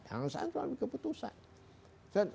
yang harus saya ambil keputusan